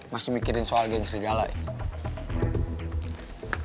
masih mikirin soal geng serigala ya